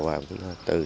và từ sân